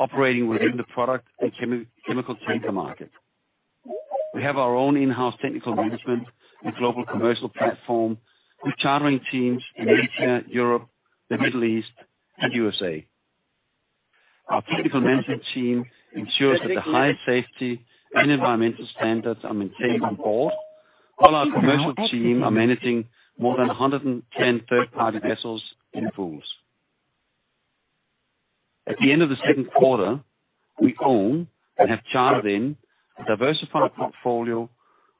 Operating within the product and chemical tanker market. We have our own in-house technical management and global commercial platform with chartering teams in Asia, Europe, the Middle East, and U.S.A. Our technical management team ensures that the highest safety and environmental standards are maintained on board, while our commercial team are managing more than 110 third-party vessels in pools. At the end of the second quarter, we own and have chartered in a diversified portfolio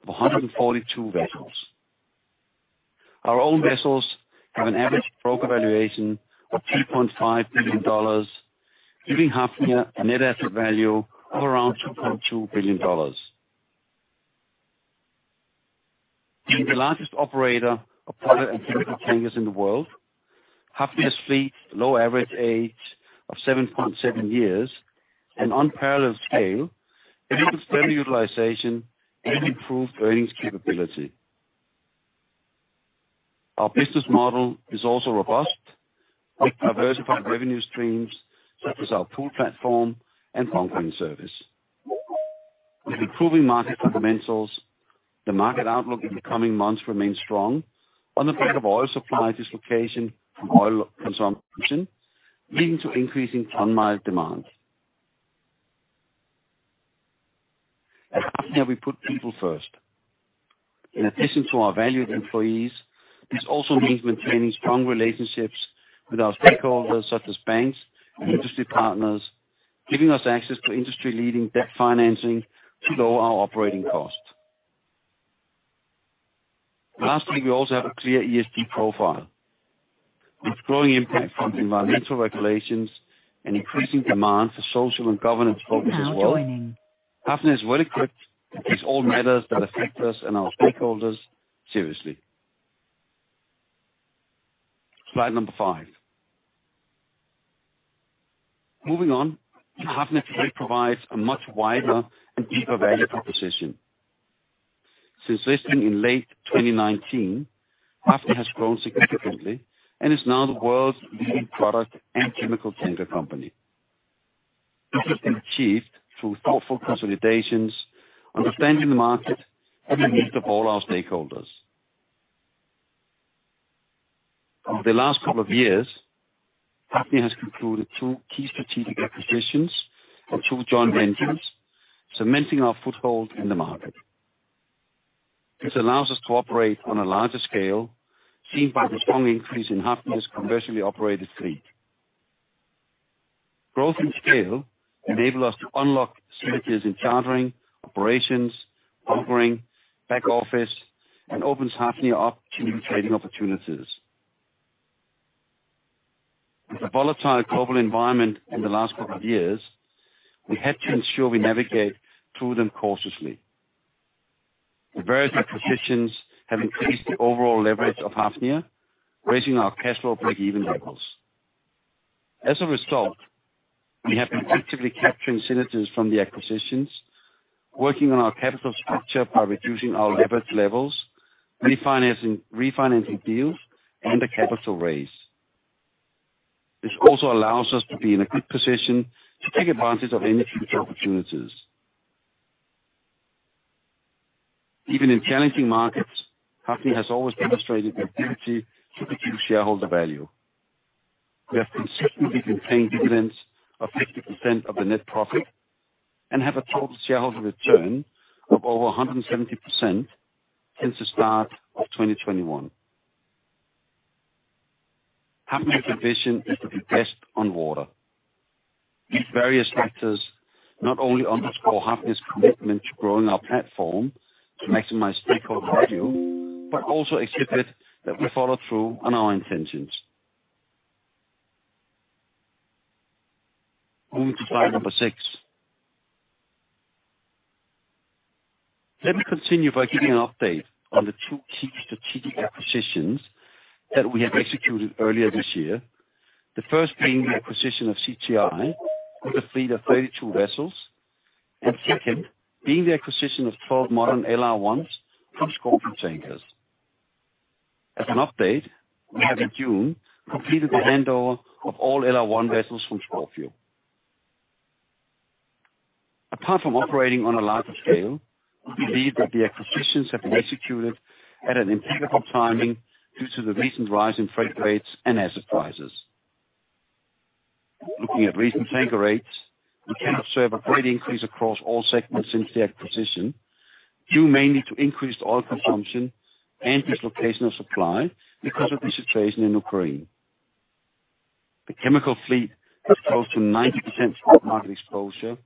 of 142 vessels. Our own vessels have an average broker valuation of $3.5 billion, giving Hafnia a net asset value of around $2.2 billion. Being the largest operator of product and chemical tankers in the world, Hafnia's fleet, low average age of 7.7 years, and unparalleled scale enables steady utilization and improved earnings capability. Our business model is also robust with diversified revenue streams such as our pool platform and bunkering service. With improving market fundamentals, the market outlook in the coming months remains strong on the back of oil supply dislocation from oil consumption, leading to increasing ton-mile demand. At Hafnia, we put people first. In addition to our valued employees, this also means maintaining strong relationships with our stakeholders, such as banks and industry partners, giving us access to industry-leading debt financing to lower our operating costs. Lastly, we also have a clear ESG profile. With growing impact from environmental regulations and increasing demand for social and governance focus as well, Hafnia is well-equipped to take all matters that affect us and our stakeholders seriously. Slide number 5. Moving on. Hafnia today provides a much wider and deeper value proposition. Since listing in late 2019, Hafnia has grown significantly and is now the world's leading product and chemical tanker company. This has been achieved through thoughtful consolidations, understanding the market and the needs of all our stakeholders. Over the last couple of years, Hafnia has concluded two key strategic acquisitions and two joint ventures cementing our foothold in the market. This allows us to operate on a larger scale, seen by the strong increase in Hafnia's commercially operated fleet. Growth and scale enable us to unlock synergies in chartering, operations, bunkering, back-office, and opens Hafnia up to new trading opportunities. With the volatile global environment in the last couple of years, we had to ensure we navigate through them cautiously. The various acquisitions have increased the overall leverage of Hafnia, raising our cash flow break-even levels. As a result, we have been actively capturing synergies from the acquisitions, working on our capital structure by reducing our leverage levels, refinancing deals, and a capital raise. This also allows us to be in a good position to take advantage of any future opportunities. Even in challenging markets, Hafnia has always demonstrated the ability to produce shareholder value. We have consistently been paying dividends of 50% of the net profit and have a total shareholder return of over 170% since the start of 2021. Hafnia's vision is to be best on water. These various factors not only underscore Hafnia's commitment to growing our platform to maximize stakeholder value, but also exhibit that we follow through on our intentions. Moving to Slide number 6. Let me continue by giving an update on the two key strategic acquisitions that we have executed earlier this year. The first being the acquisition of CTI with a fleet of 32 vessels, and second being the acquisition of 12 modern LR1s from Scorpio Tankers. As an update, we have in June completed the handover of all LR1 vessels from Scorpio. Apart from operating on a larger scale, we believe that the acquisitions have been executed at an impeccable timing due to the recent rise in freight rates and asset prices. Looking at recent tanker rates, we can observe a great increase across all segments since the acquisition, due mainly to increased oil consumption and dislocation of supply because of the situation in Ukraine. The chemical fleet has close to 90% spot market exposure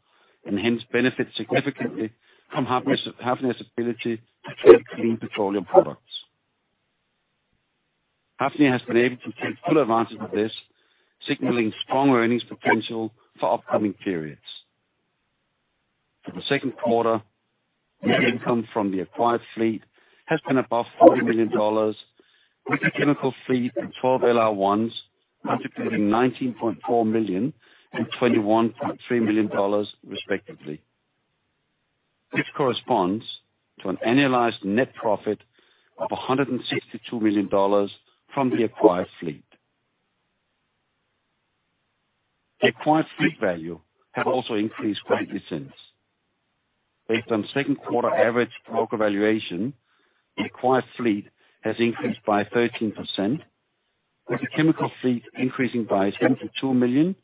and hence benefit significantly from Hafnia's ability to trade clean petroleum products. Hafnia has been able to take full advantage of this, signaling strong earnings potential for upcoming periods. For the second quarter, the income from the acquired fleet has been above $40 million, with the chemical fleet of 12 LR1s contributing $19.4 million and $21.3 million respectively. This corresponds to an annualized net profit of $162 million from the acquired fleet. The acquired fleet value has also increased greatly since. Based on second quarter average broker valuation, the acquired fleet has increased by 13%, with the chemical fleet increasing by $72 million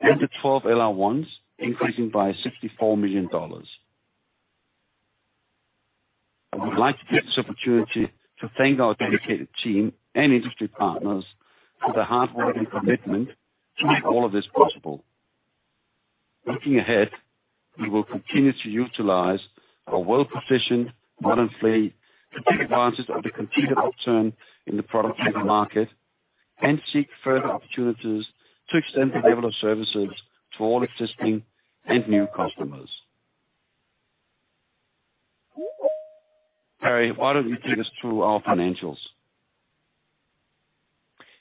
and the 12 LR1s increasing by $64 million. I would like to take this opportunity to thank our dedicated team and industry partners for their hard work and commitment to make all of this possible. Looking ahead, we will continue to utilize our well-positioned modern fleet to take advantage of the continued upturn in the product tanker market and seek further opportunities to extend the level of services to all existing and new customers. Perry, why don't you take us through our financials?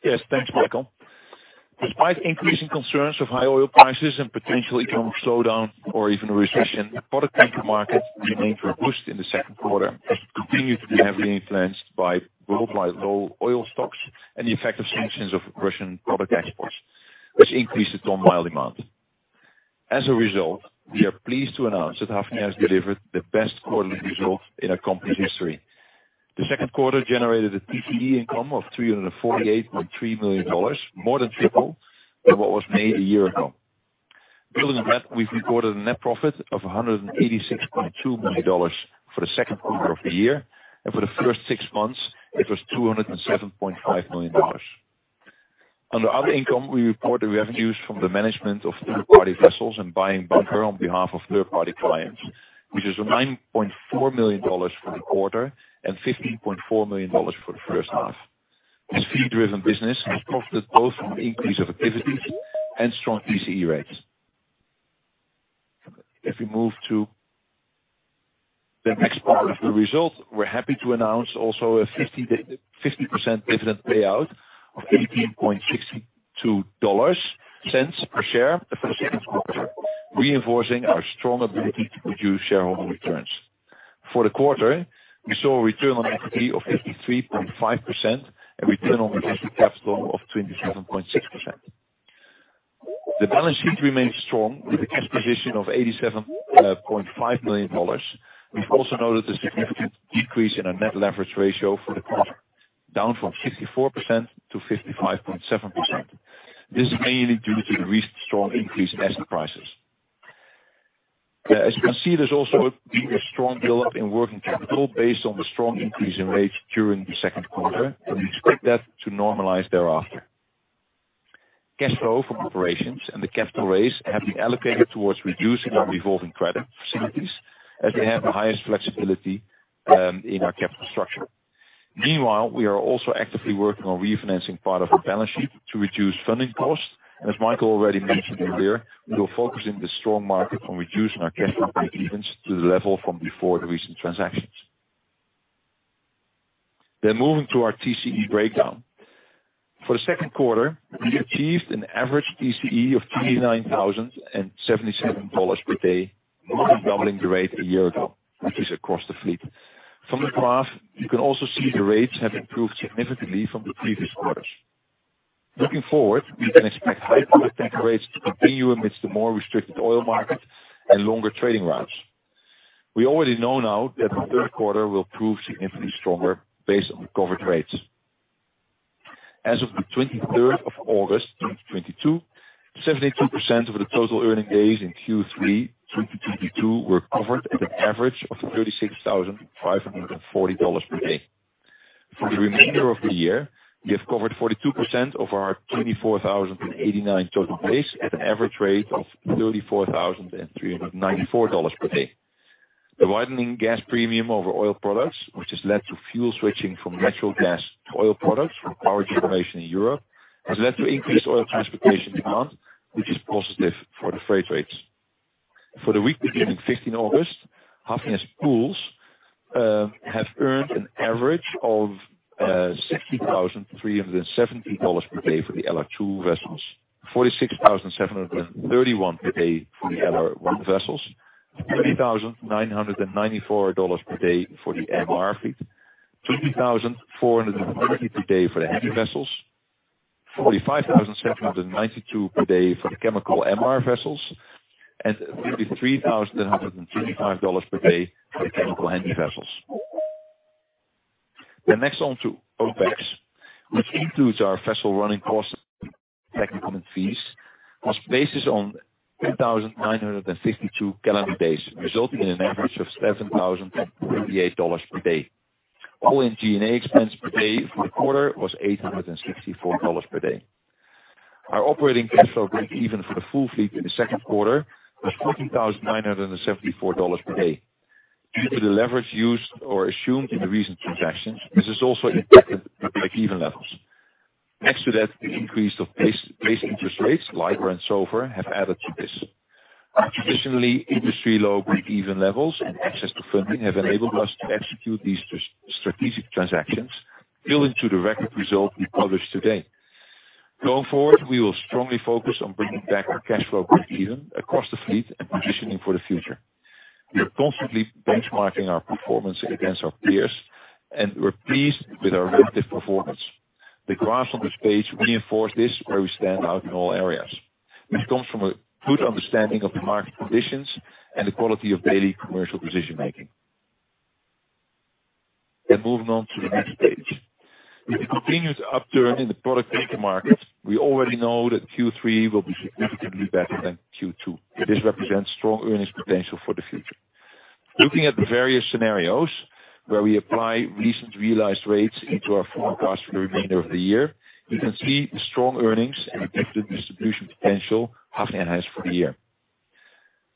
Yes, thanks, Mikael. Despite increasing concerns of high oil prices and potential economic slowdown or even a recession, product tanker markets remained robust in the second quarter, as it continued to be heavily influenced by worldwide low oil stocks and the effect of sanctions of Russian product exports, which increased the ton-mile demand. As a result, we are pleased to announce that Hafnia has delivered the best quarterly results in our company history. The second quarter generated a TCE income of $348.3 million, more than triple than what was made a year ago. Building on that, we've recorded a net profit of $186.2 million for the second quarter of the year, and for the first six months, it was $207.5 million. Under other income, we reported revenues from the management of third-party vessels and buying bunkers on behalf of third-party clients, which is $9.4 million for the quarter and $15.4 million for the first half. This fee-driven business has profited both from increase of activities and strong TCE rates. If we move to the next part of the results, we're happy to announce also a 50% dividend payout of $18.62 per share for the second quarter, reinforcing our strong ability to produce shareholder returns. For the quarter, we saw a return on equity of 53.5% and return on invested capital of 27.6%. The balance sheet remains strong with a cash position of $87.5 million. We've also noted a significant decrease in our net leverage ratio for the quarter, down from 64% to 55.7%. This is mainly due to the recent strong increase in asset prices. As you can see, there's also been a strong build-up in working capital based on the strong increase in rates during the second quarter, and we expect that to normalize thereafter. Cash flow from operations and the capital raise have been allocated towards reducing our revolving credit facilities as they have the highest flexibility in our capital structure. Meanwhile, we are also actively working on refinancing part of our balance sheet to reduce funding costs. As Mikael already mentioned earlier, we will focus in the strong market on reducing our cash flow breakevens to the level from before the recent transactions. Moving to our TCE breakdown. For the second quarter, we achieved an average TCE of $29,077 per day, more than doubling the rate a year ago, which is across the fleet. From the graph, you can also see the rates have improved significantly from the previous quarters. Looking forward, we can expect high product tanker rates to continue amidst the more restricted oil market and longer trading routes. We already know now that the third quarter will prove significantly stronger based on the covered rates. As of 23rd of August 2022, 72% of the total earning days in Q3 2022 were covered at an average of $36,504 per day. For the remainder of the year, we have covered 42% of our 24,089 total days at an average rate of $34,394 per day. The widening gas premium over oil products, which has led to fuel switching from natural gas to oil products for power generation in Europe, has led to increased oil transportation demand, which is positive for the freight rates. For the week beginning 15 August, Hafnia's pools have earned an average of $60,370 per day for the LR2 vessels, $46,731 per day for the LR1 vessels, $30,994 per day for the MR fleet, $28,413 per day for the handy vessels, $45,792 per day for the chemical-MR vessels, and $33,135 per day for the chemical-handy vessels. The next on to OpEx, which includes our vessel running costs, tech, and common fees, was based on 10,952 calendar days, resulting in an average of $7,038 per day. All-in G&A expense per day for the quarter was $864 per day. Our operating cash flow breakeven for the full fleet in the second quarter was $14,974 per day. Due to the leverage used or assumed in the recent transactions, this has also impacted the breakeven levels. Next to that, the increase of base interest rates, LIBOR and SOFR, have added to this. Additionally, industry low breakeven levels and access to funding have enabled us to execute these strategic transactions, building to the record result we published today. Going forward, we will strongly focus on bringing back our cash flow breakeven across the fleet and positioning for the future. We are constantly benchmarking our performance against our peers, and we're pleased with our relative performance. The graphs on this page reinforce this where we stand out in all areas, which comes from a good understanding of the market conditions and the quality of daily commercial decision-making. Moving on to the next page. With the continued upturn in the product tanker market, we already know that Q3 will be significantly better than Q2. This represents strong earnings potential for the future. Looking at the various scenarios where we apply recent realized rates into our forecast for the remainder of the year, you can see the strong earnings and expected distribution potential Hafnia has for the year.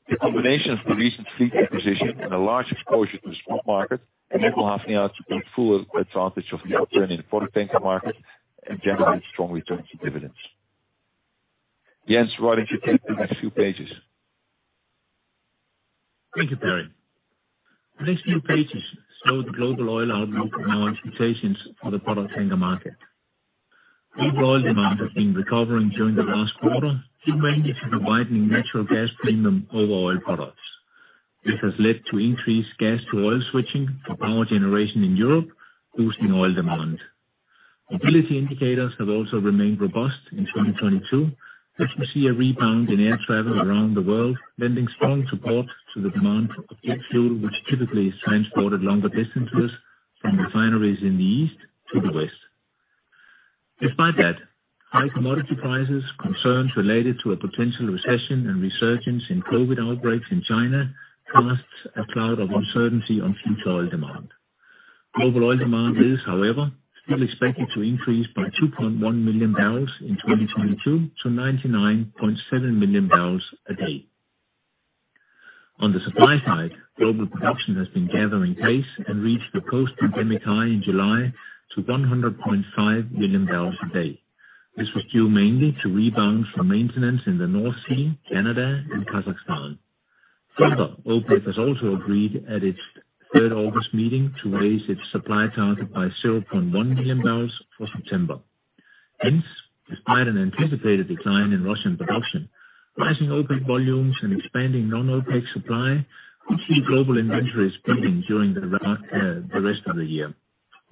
The combination of the recent fleet acquisition and a large exposure to the spot market enable Hafnia to take full advantage of the upturn in the product tanker market and generate strong returns and dividends. Jens, why don't you take the next few pages. Thank you, Perry. The next few pages show the global oil outlook and our expectations for the product tanker market. Global demand has been recovering during the last quarter, due mainly to the widening natural gas premium over oil products, which has led to increased gas to oil switching for power generation in Europe, boosting oil demand. Mobility indicators have also remained robust in 2022, as we see a rebound in air travel around the world, lending strong support to the demand of jet fuel, which typically is transported longer distances from refineries in the east to the west. Despite that, high commodity prices, concerns related to a potential recession and resurgence in COVID outbreaks in China casts a cloud of uncertainty on future oil demand. Global oil demand is, however, still expected to increase by 2.1 million bbl in 2022 to 99.7 million bbl/d. On the supply side, global production has been gathering pace and reached a post-pandemic high in July to 100.5 million bbl/d. This was due mainly to rebounds from maintenance in the North Sea, Canada, and Kazakhstan. Further, OPEC has also agreed at its third August meeting to raise its supply target by 0.1 million bbl for September. Hence, despite an anticipated decline in Russian production, rising OPEC volumes and expanding non-OPEC supply will keep global inventories building during the rest of the year.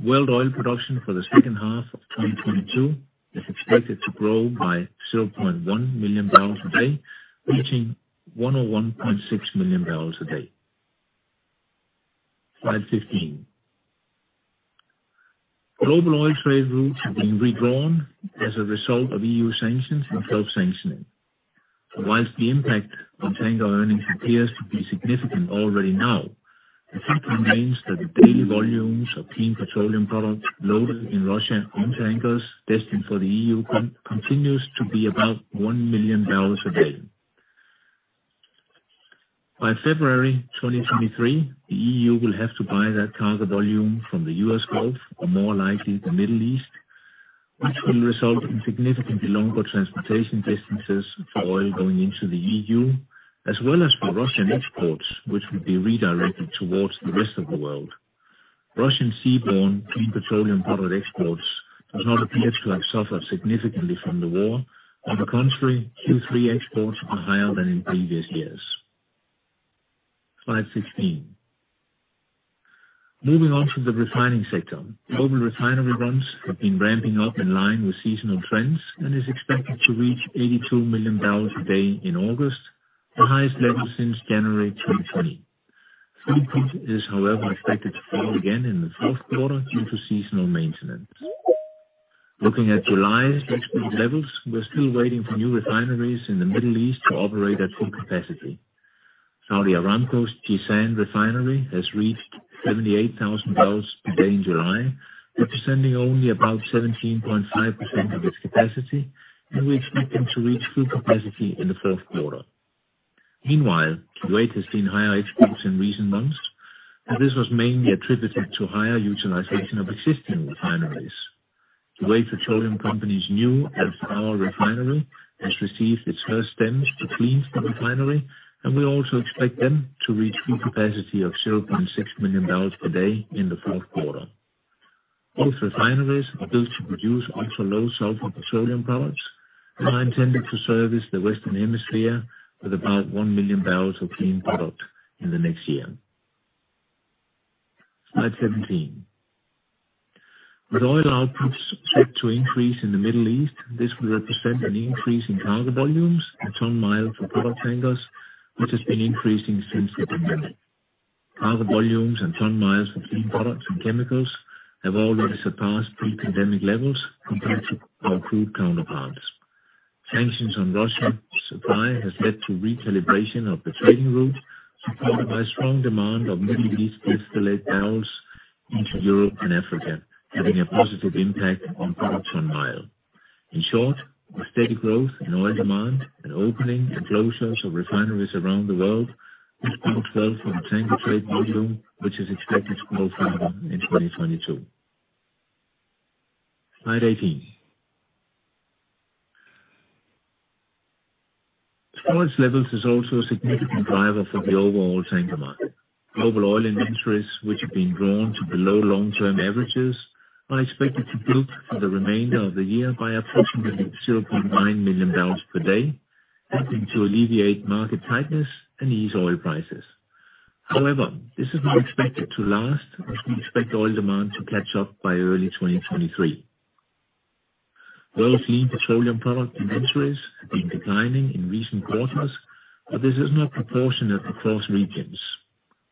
World oil production for the second half of 2022 is expected to grow by 0.1 million bbl/d, reaching 101.6 million bbl/d. Slide 15. Global oil trade routes have been redrawn as a result of E.U. sanctions and self-sanctioning. While the impact on tanker earnings appears to be significant already now, the fact remains that the daily volumes of clean petroleum products loaded in Russia on tankers destined for the E.U. continues to be above 1 million bbl/d. By February 2023, the E.U. will have to buy that cargo volume from the U.S. Gulf, or more likely the Middle East, which will result in significantly longer transportation distances for oil going into the E.U., as well as for Russian exports, which will be redirected towards the rest of the world. Russian seaborne clean petroleum product exports does not appear to have suffered significantly from the war. On the contrary, Q3 exports are higher than in previous years. Slide 16. Moving on to the refining sector. Global refinery runs have been ramping up in line with seasonal trends and is expected to reach 82 million bbl/d in August, the highest level since January 2020. Throughput is, however, expected to fall again in the fourth quarter due to seasonal maintenance. Looking at July's export levels, we're still waiting for new refineries in the Middle East to operate at full capacity. Saudi Aramco's Jazan refinery has reached 78,000 bbl/d in July, representing only about 17.5% of its capacity, and we expect them to reach full capacity in the fourth quarter. Meanwhile, Kuwait has seen higher exports in recent months, and this was mainly attributed to higher utilization of existing refineries. Kuwait Petroleum Company's new Al-Zour Refinery has received its first batch to clean the refinery, and we also expect them to reach full capacity of 0.6 million bbl/d in the fourth quarter. Both refineries are built to produce ultra-low sulfur petroleum products and are intended to service the Western Hemisphere with about 1 million bbl of clean product in the next year. Slide 17. With oil outputs set to increase in the Middle East, this will represent an increase in cargo volumes and ton miles for product tankers, which has been increasing since the pandemic. Cargo volumes and ton miles of clean products and chemicals have already surpassed pre-pandemic levels compared to our crude counterparts. Sanctions on Russian supply has led to recalibration of the trading route, supported by strong demand of Middle East distillate barrels into Europe and Africa, having a positive impact on product ton-mile. In short, the steady growth in oil demand and opening and closures of refineries around the world has boded well for the tanker trade volume, which is expected to grow further in 2022. Slide 18. Storage levels is also a significant driver for the overall tanker market. Global oil inventories, which have been drawn to below long-term averages, are expected to build for the remainder of the year by approximately 0.9 million bbl/d, helping to alleviate market tightness and ease oil prices. However, this is not expected to last as we expect oil demand to catch up by early 2023. World clean petroleum product inventories have been declining in recent quarters, but this is not proportionate across regions.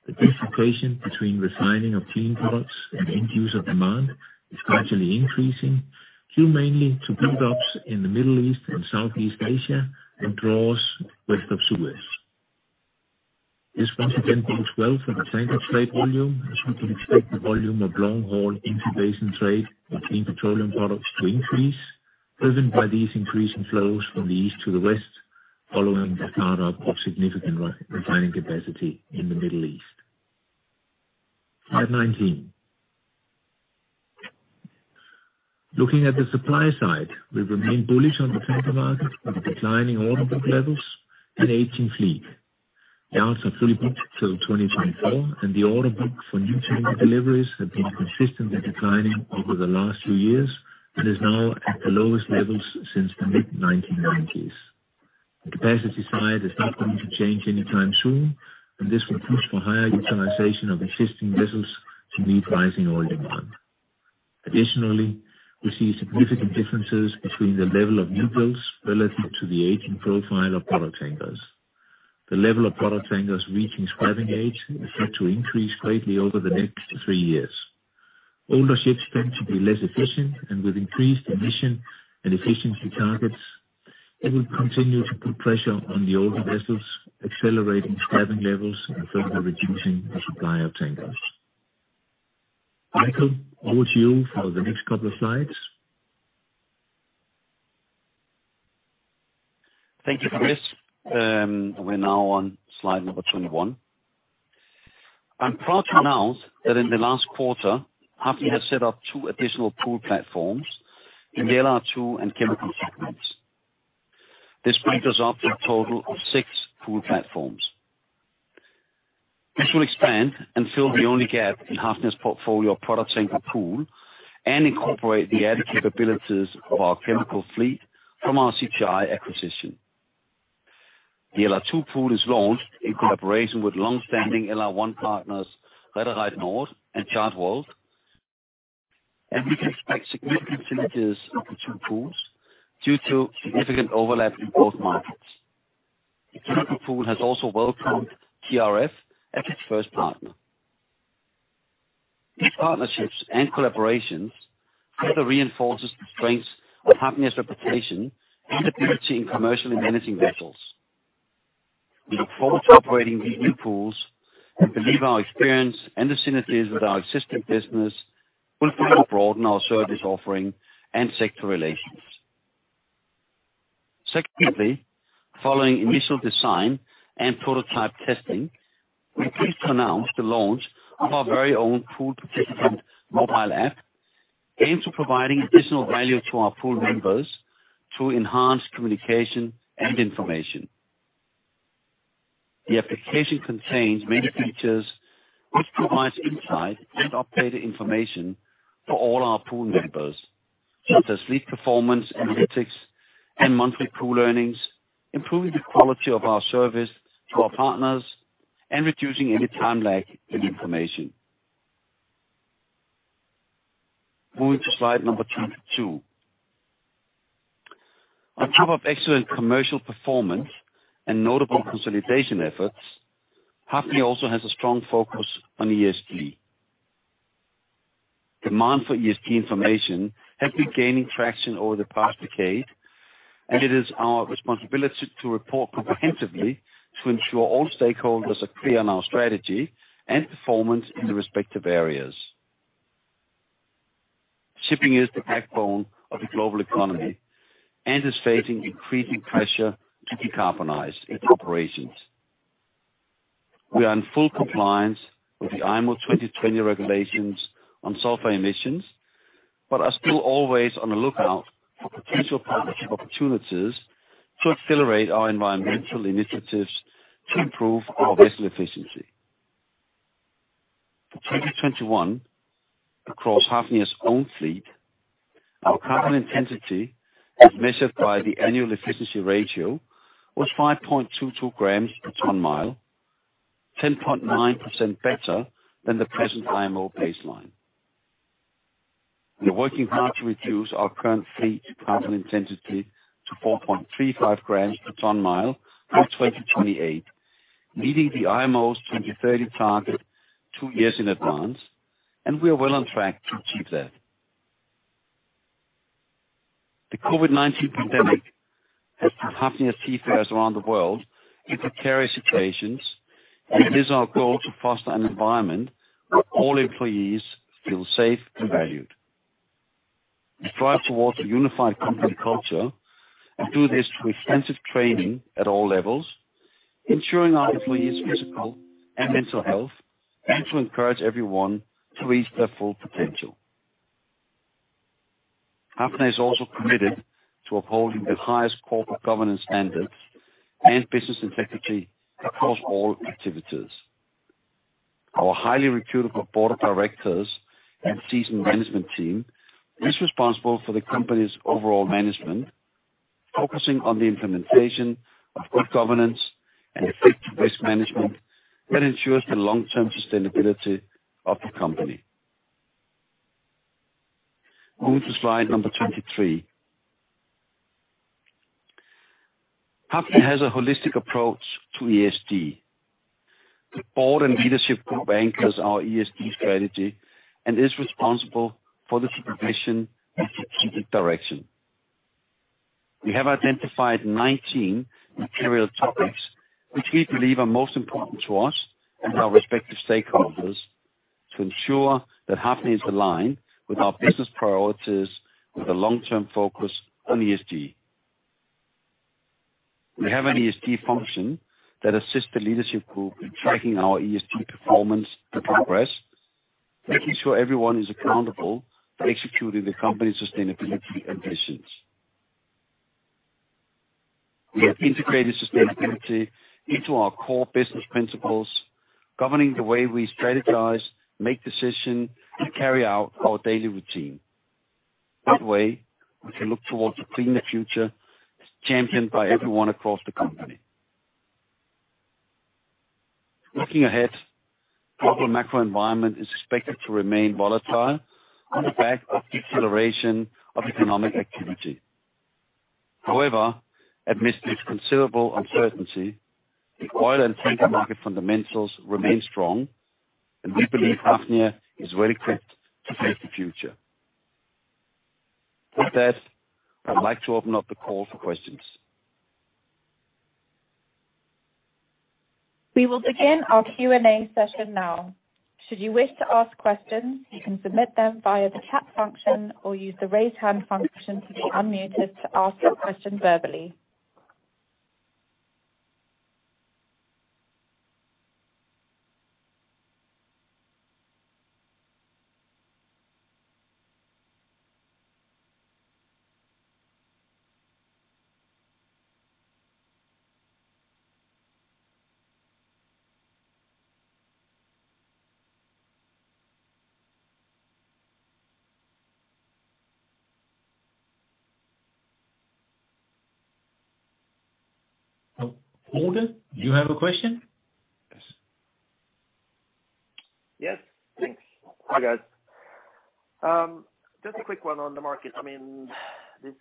The diversification between refining of clean products and end user demand is gradually increasing, due mainly to build-ups in the Middle East and Southeast Asia and draws West of Suez. This once again bodes well for the tanker trade volume as we can expect the volume of long-haul interbasin trade between petroleum products to increase, driven by these increasing flows from the East to the West following the start-up of significant refining capacity in the Middle East. Slide 19. Looking at the supply side, we remain bullish on the tanker market with declining order book levels and aging fleet. Yards are fully booked till 2024, and the order book for new deliveries has been consistently declining over the last few years and is now at the lowest levels since the mid-1990s. The capacity side is not going to change anytime soon, and this will push for higher utilization of existing vessels to meet rising oil demand. Additionally, we see significant differences between the level of new builds relative to the aging profile of product tankers. The level of product tankers reaching scrapping age is set to increase greatly over the next three years. Older ships tend to be less efficient, and with increased emission and efficiency targets, it will continue to put pressure on the older vessels, accelerating scrapping levels and further reducing the supply of tankers. Mikael, over to you for the next couple of slides. Thank you, Chris. We're now on Slide number 21. I'm proud to announce that in the last quarter, Hafnia has set up two additional pool platforms in the LR2 and chemical segments. This brings us up to a total of six pool platforms. This will expand and fill the only gap in Hafnia's portfolio of product tanker pool and incorporate the added capabilities of our chemical fleet from our CTI acquisition. The LR2 pool is launched in collaboration with long-standing LR1 partners, Reederei Nord and Chartworld, and we can expect significant synergies of the two pools due to significant overlap in both markets. The chemical pool has also welcomed TRF as its first partner. These partnerships and collaborations further reinforces the strengths of Hafnia's reputation and ability in commercially managing vessels. We look forward to operating these new pools and believe our experience and the synergies with our existing business will further broaden our service offering and sector relations. Secondly, following initial design and prototype testing, we are pleased to announce the launch of our very own Pool Participant Mobile App, aimed to providing additional value to our pool members through enhanced communication and information. The application contains many features which provides insight and updated information for all our pool members, such as fleet performance, analytics, and monthly pool earnings, improving the quality of our service to our partners and reducing any time lag in information. Moving to Slide number 22. On top of excellent commercial performance and notable consolidation efforts, Hafnia also has a strong focus on ESG. Demand for ESG information has been gaining traction over the past decade, and it is our responsibility to report comprehensively to ensure all stakeholders are clear on our strategy and performance in the respective areas. Shipping is the backbone of the global economy and is facing increasing pressure to decarbonize its operations. We are in full compliance with the IMO 2020 regulations on sulfur emissions, but are still always on the lookout for potential partnership opportunities to accelerate our environmental initiatives to improve our vessel efficiency. For 2021, across Hafnia's own fleet, our carbon intensity, as measured by the Annual Efficiency Ratio, was 5.22 g per ton-mile, 10.9% better than the present IMO baseline. We are working hard to reduce our current fleet carbon intensity to 4.35 g per ton-mile by 2028, meeting the IMO's 2030 target two years in advance, and we are well on track to achieve that. The COVID-19 pandemic. As Hafnia seafarers around the world in precarious situations, it is our goal to foster an environment where all employees feel safe and valued. We strive towards a unified company culture and do this through extensive training at all levels, ensuring our employees' physical and mental health, and to encourage everyone to reach their full potential. Hafnia is also committed to upholding the highest corporate governance standards and business integrity across all activities. Our highly reputable board of directors and seasoned management team is responsible for the company's overall management, focusing on the implementation of good governance and effective risk management that ensures the long-term sustainability of the company. Going to Slide number 23. Hafnia has a holistic approach to ESG. The Board and leadership group anchors our ESG strategy and is responsible for the supervision and strategic direction. We have identified 19 material topics which we believe are most important to us and our respective stakeholders to ensure that Hafnia is aligned with our business priorities with a long-term focus on ESG. We have an ESG function that assists the leadership group in tracking our ESG performance and progress, making sure everyone is accountable for executing the company's sustainability ambitions. We have integrated sustainability into our core business principles, governing the way we strategize, make decision, and carry out our daily routine. That way, we can look towards a cleaner future as championed by everyone across the company. Looking ahead, global macro environment is expected to remain volatile on the back of deceleration of economic activity. However, amidst this considerable uncertainty, the oil and tanker market fundamentals remain strong, and we believe Hafnia is well-equipped to face the future. With that, I'd like to open up the call for questions. We will begin our Q&A session now. Should you wish to ask questions, you can submit them via the chat function or use the Raise Hand function to be unmuted to ask your question verbally. Oh, [Odin], do you have a question? Yes. Thanks. Hi, guys. Just a quick one on the market. I mean, this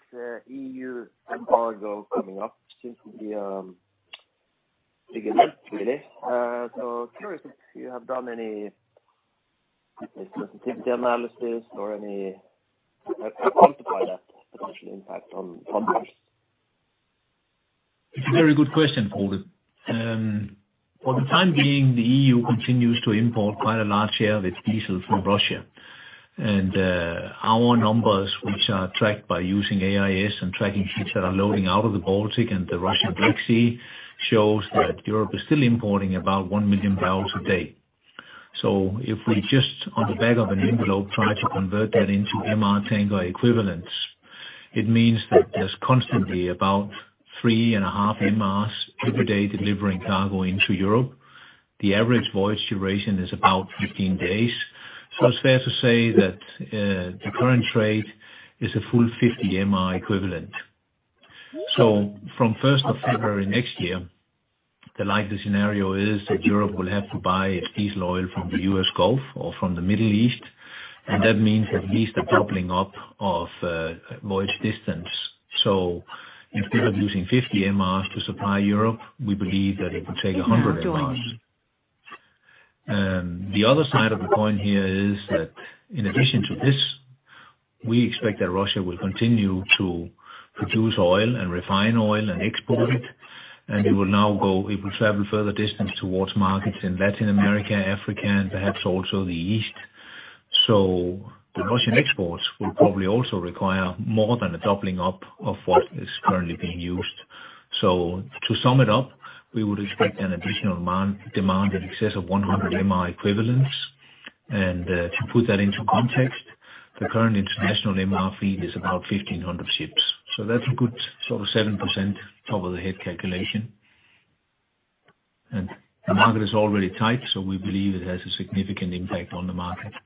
E.U. embargo coming up seems to be big event really. Curious if you have done any sensitivity analysis or anything to quantify that potential impact on numbers? It's a very good question, [Odin]. For the time being, the E.U. continues to import quite a large share of its diesel from Russia. Our numbers, which are tracked by using AIS and tracking ships that are loading out of the Baltic and the Russian Black Sea, shows that Europe is still importing about 1 million bbl/d. If we just, on the back of an envelope, try to convert that into MR tanker equivalents, it means that there's constantly about 3.5 MRs every day delivering cargo into Europe. The average voyage duration is about 15 days. It's fair to say that the current rate is a full 50 MR equivalent. From first of February next year, the likely scenario is that Europe will have to buy its diesel oil from the U.S. Gulf or from the Middle East, and that means at least a doubling up of voyage distance. Instead of using 50 MRs to supply Europe, we believe that it will take 100 MRs. The other side of the coin here is that in addition to this, we expect that Russia will continue to produce oil and refine oil and export it. It will now go, it will travel further distance towards markets in Latin America, Africa, and perhaps also the East. The Russian exports will probably also require more than a doubling up of what is currently being used. To sum it up, we would expect an additional ton-mile demand in excess of 100 MR equivalents. To put that into context, the current international MR fleet is about 1,500 ships. That's a good sort of 7% top of the head calculation. The market is already tight, so we believe it has a significant impact on the market. Interesting.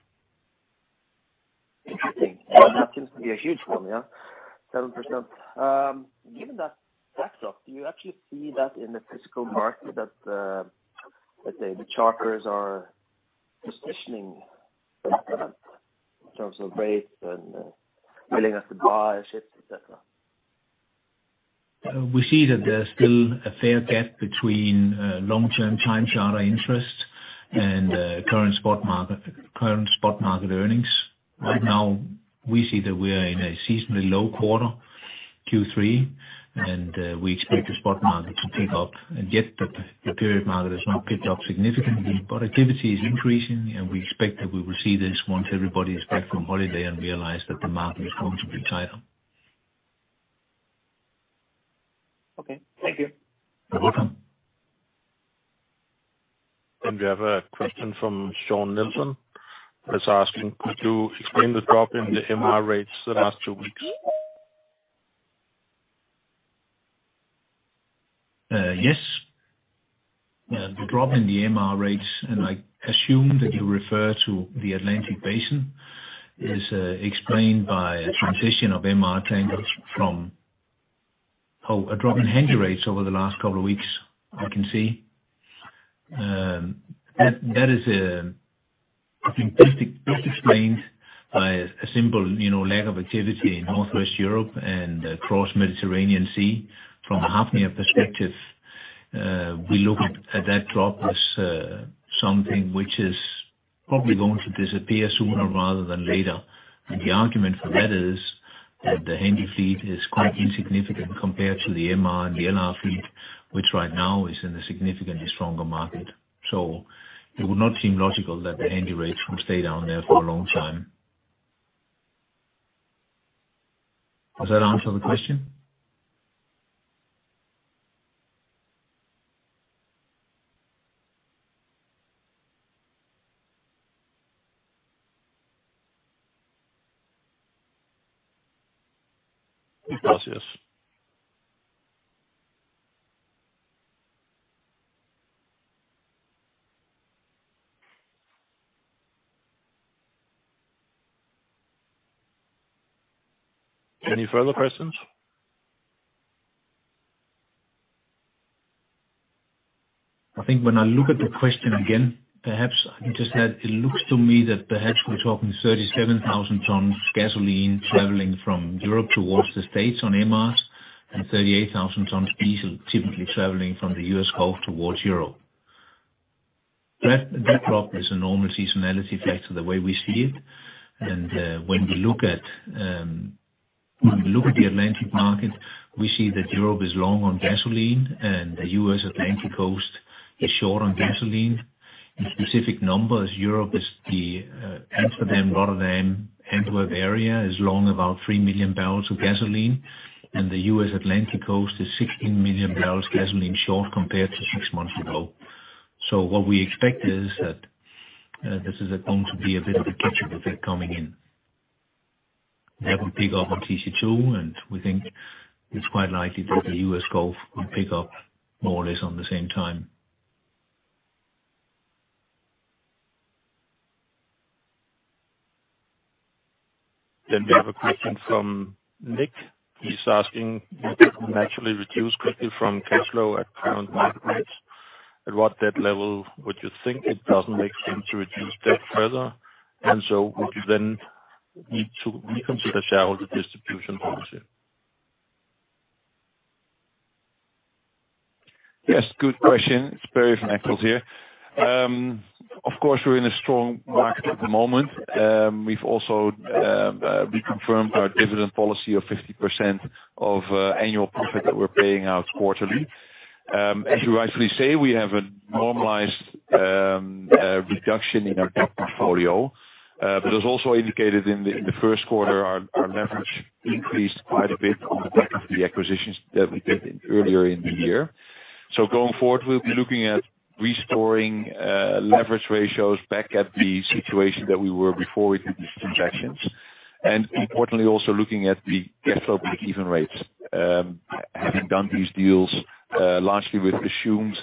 That seems to be a huge one, yeah. 7%. Given that backdrop, do you actually see that in the physical market that, let's say the charterers are positioning in terms of rates and willingness to buy ships, et cetera? We see that there's still a fair gap between long-term time charter interest and current spot market earnings. Right now, we see that we are in a seasonally low quarter, Q3, and we expect the spot market to pick up. Yet the period market has not picked up significantly, but activity is increasing, and we expect that we will see this once everybody is back from holiday and realize that the market is going to be tighter. Okay. Thank you. You're welcome. We have a question from Sean Nelson. He's asking, could you explain the drop in the MR rates the last two weeks? Yes. The drop in the MR rates, and I assume that you refer to the Atlantic basin, is explained by a transition of MR tankers from a drop in handy rates over the last couple of weeks, I can see. That is, I think best explained by a simple, you know, lack of activity in Northwest Europe and across the Mediterranean Sea. From a Hafnia perspective, we look at that drop as something which is probably going to disappear sooner rather than later. The argument for that is that the handy fleet is quite insignificant compared to the MR and the LR fleet, which right now is in a significantly stronger market. It would not seem logical that the handy rates would stay down there for a long time. Does that answer the question? Yes. Any further questions? I think when I look at the question again, it looks to me that perhaps we're talking 37,000 tons gasoline traveling from Europe towards the States on MRs and 38,000 tons diesel typically traveling from the U.S. Gulf towards Europe. That drop is a normal seasonality effect to the way we see it. When we look at the Atlantic market, we see that Europe is long on gasoline and the U.S. Atlantic coast is short on gasoline. In specific numbers, Europe is the Amsterdam, Rotterdam, Antwerp area is long about 3 million bbl of gasoline, and the U.S. Atlantic coast is 16 million bbl gasoline short compared to six months ago. What we expect is that this is going to be a bit of a catch-up effect coming in. That will pick up on TC2, and we think it's quite likely that the U.S. Gulf will pick up more or less on the same time. We have a question from Nick. He's asking, you've naturally reduced quickly from cash flow at current market rates. At what debt level would you think it doesn't make sense to reduce debt further? Would you then need to reconsider shareholder distribution policy? Yes, good question. It's Perry from Hafnia here. Of course, we're in a strong market at the moment. We've also reconfirmed our dividend policy of 50% of annual profit that we're paying out quarterly. As you rightly say, we have a normalized reduction in our debt portfolio. As also indicated in the first quarter, our leverage increased quite a bit on the back of the acquisitions that we did earlier in the year. Going forward, we'll be looking at restoring leverage ratios back at the situation that we were before we did these transactions. Importantly, also looking at the cash flow break even rates. Having done these deals, largely with assumed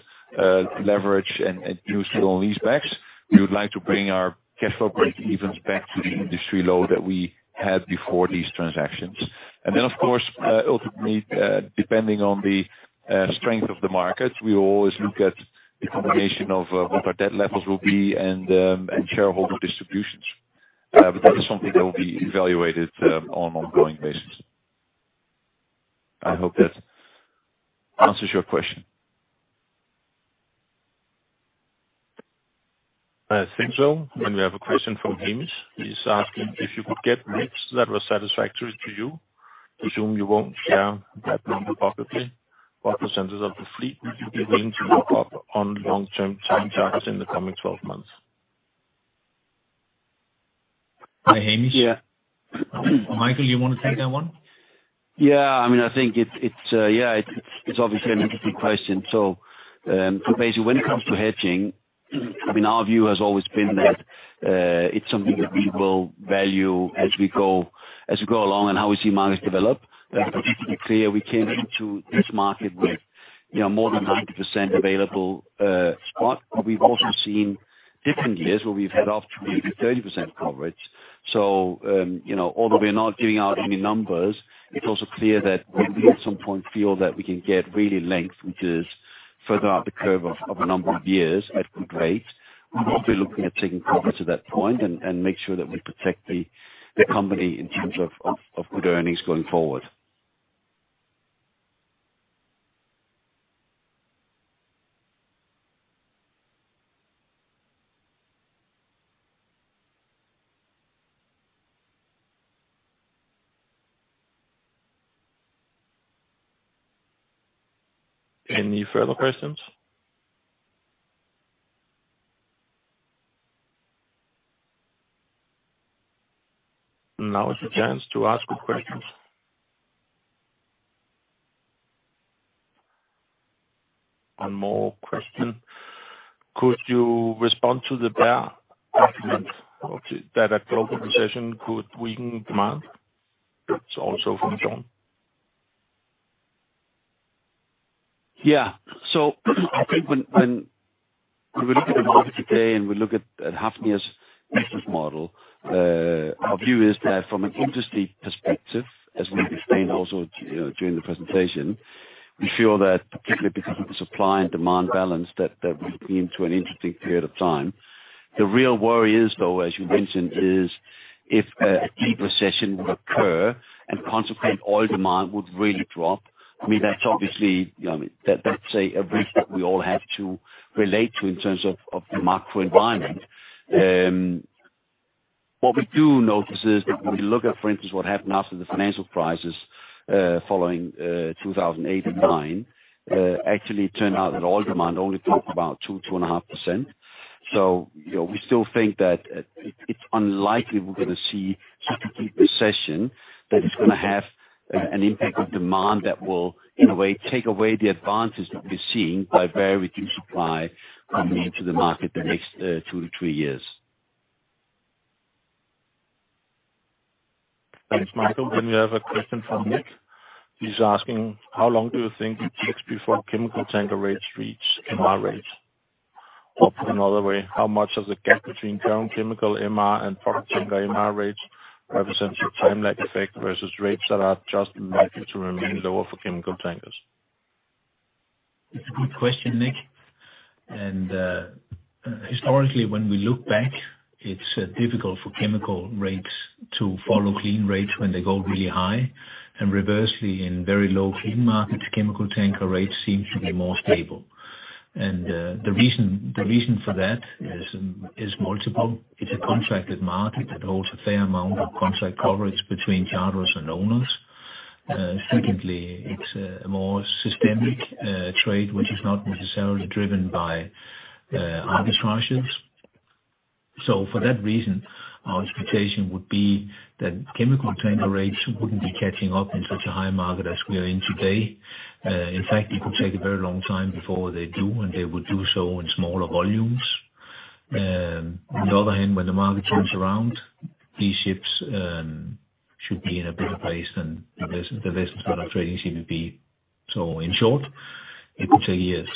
leverage and neutral leasebacks, we would like to bring our cash flow breakevens back to the industry low that we had before these transactions. Then, of course, ultimately, depending on the strength of the market, we will always look at the combination of what our debt levels will be and shareholder distributions. That is something that will be evaluated on an ongoing basis. I hope that answers your question. I think so. We have a question from Hamish. He's asking if you could get rates that were satisfactory to you, assume you won't share that number publicly, what percentage of the fleet would you be willing to lock up on long-term time charters in the coming 12 months? Hi, Hamish. Yeah. Mikael, you wanna take that one? Yeah. I mean, I think it's obviously an interesting question. Basically, when it comes to hedging, I mean, our view has always been that it's something that we will value as we go along and how we see markets develop. It's perfectly clear we came into this market with, you know, more than 90% available spot. We've also seen different years where we've had up to maybe 30% coverage. You know, although we are not giving out any numbers, it's also clear that when we at some point feel that we can get really length, which is further out the curve of a number of years at good rates, we will be looking at taking coverage at that point and make sure that we protect the company in terms of good earnings going forward. Any further questions? Now is the chance to ask your questions. One more question. Could you respond to the bear argument that a global recession could weaken demand? It's also from John. When we look at the market today and we look at Hafnia's business model, our view is that from an industry perspective, as we've explained also, you know, during the presentation, we feel that particularly because of the supply and demand balance that we've been through an interesting period of time. The real worry is, as you mentioned, if a deep recession would occur and consequently oil demand would really drop. I mean, that's obviously, you know what I mean, that's a risk that we all have to relate to in terms of the macro environment. What we do notice is when we look at, for instance, what happened after the financial crisis, following 2008 and 2009, actually it turned out that oil demand only dropped about 2.5%. You know, we still think that it's unlikely we're gonna see such a deep recession that is gonna have an impact on demand that will, in a way, take away the advances that we're seeing by very reduced supply coming into the market the next two to three years. Thanks, Mikael. We have a question from Nick. He's asking, how long do you think it takes before chemical tanker rates reach MR rates? Put another way, how much does the gap between current chemical MR and product tanker MR rates represent a time lag effect versus rates that are just likely to remain lower for chemical tankers? It's a good question, Nick. Historically, when we look back, it's difficult for chemical rates to follow clean rates when they go really high. Reversely, in very low clean markets, chemical tanker rates seem to be more stable. The reason for that is multiple. It's a contracted market that holds a fair amount of contract coverage between charters and owners. Secondly, it's a more systemic trade which is not necessarily driven by arbitrages. For that reason, our expectation would be that chemical tanker rates wouldn't be catching up in such a high market as we are in today. In fact, it could take a very long time before they do, and they would do so in smaller volumes. On the other hand, when the market turns around, these ships should be in a better place than the vessels that are trading CPP. In short, it could take years.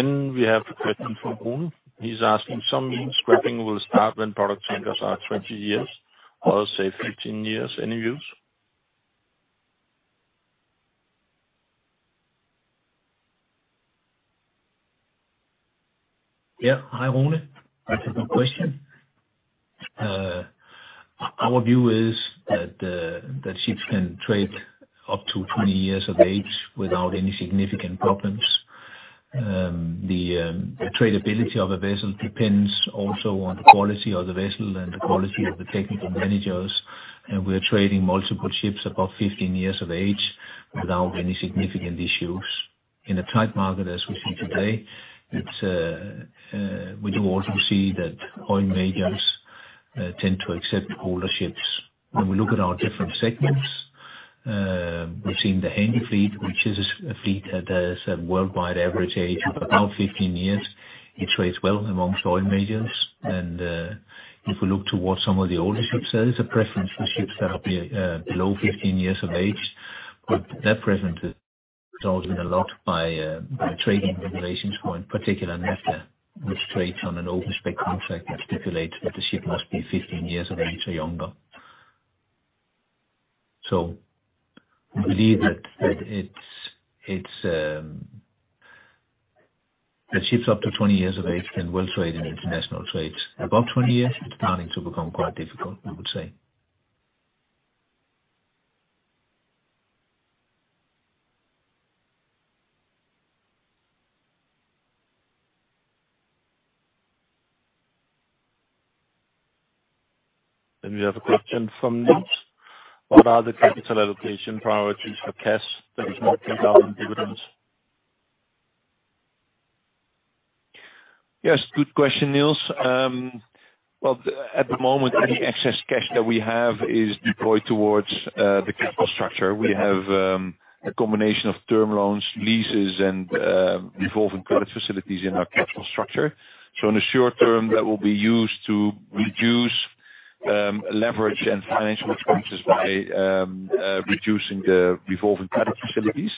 We have a question from [Rune]. He's asking, some scrapping will start when product tankers are 20 years or say 15 years. Any views? Yeah. Hi, [Rune]. That's a good question. Our view is that ships can trade up to 20 years of age without any significant problems. The tradability of a vessel depends also on the quality of the vessel and the quality of the technical managers. We're trading multiple ships above 15 years of age without any significant issues. In a tight market, as we see today, we do also see that oil majors tend to accept older ships. When we look at our different segments, we've seen the handy fleet, which is a fleet that has a worldwide average age of about 15 years. It trades well among oil majors. If we look towards some of the older ships, there is a preference for ships that are below 15 years of age. That preference has also been largely by trading regulations for, in particular, naphtha, which trades on an open spec contract that stipulates that the ship must be 15 years of age or younger. We believe that it's the ships up to 20 years of age can well trade in international trades. Above 20 years, it's starting to become quite difficult, we would say. We have a question from [Niels]. What are the capital allocation priorities for cash that is not paid out in dividends? Yes, good question, [Niels]. Well, at the moment, any excess cash that we have is deployed towards the capital structure. We have a combination of term loans, leases and revolving credit facilities in our capital structure. In the short term, that will be used to reduce leverage and financial expenses by reducing the revolving credit facilities.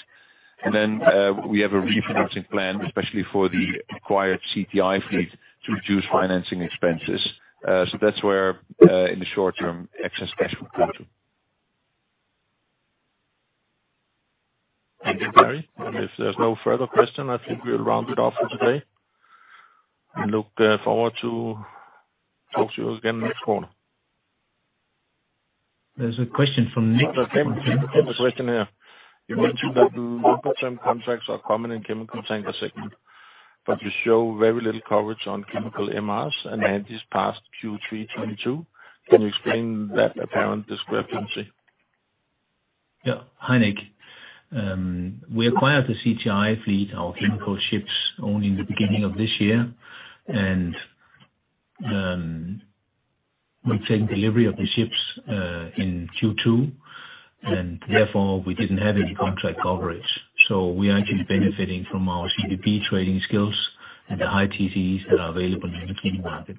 Then, we have a refinancing plan, especially for the acquired CTI fleet to reduce financing expenses. That's where, in the short term, excess cash would go to. Thank you, Perry. If there's no further question, I think we'll round it off for today. We look forward to talk to you again next quarter. There's a question from Nick. Nick has a question here. You mentioned that long-term contracts are common in chemical tanker segment, but you show very little coverage on chemical MRs and handys past Q3 2022. Can you explain that apparent discrepancy? Yeah. Hi, Nick. We acquired the CTI fleet, our chemical ships, only in the beginning of this year. We take delivery of the ships in Q2, and therefore we didn't have any contract coverage. We are actually benefiting from our CPP trading skills and the high TCEs that are available in the clean market.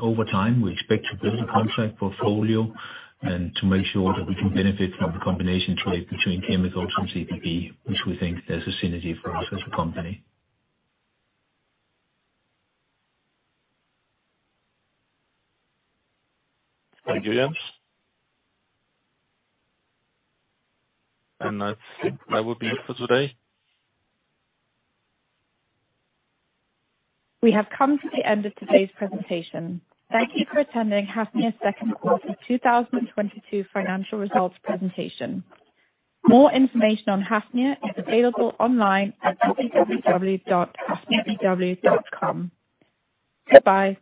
Over time, we expect to build a contract portfolio and to make sure that we can benefit from the combination trade between chemicals and CPP, which we think there's a synergy for us as a company. Thank you, Jens. That would be it for today. We have come to the end of today's presentation. Thank you for attending Hafnia's second quarter 2022 financial results presentation. More information on Hafnia is available online at www.hafnia.com. Goodbye.